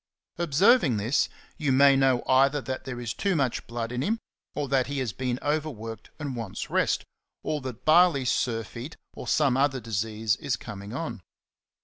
Observing this, you may know either that there is too much blood in him, or that he has been overworked and wants rest, or that barley surfeit" or some other disease is coming on.